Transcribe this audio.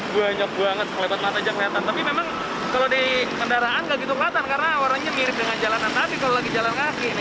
banyak banget sekelipat mata saja kelihatan tapi memang kalau di kendaraan gak gitu kelihatan tapi memang kalau di kendaraan gak gitu kelihatan tapi memang kalau di kendaraan gak gitu kelihatan